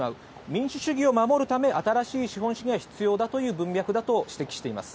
民主主義を守るため新しい資本主義が必要だという文脈だと指摘しています。